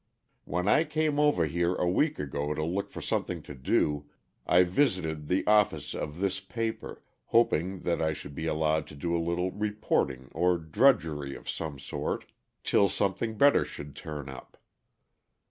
When I came over here a week ago to look for something to do I visited the office of this paper, hoping that I should be allowed to do a little reporting or drudgery of some sort till something better should turn up.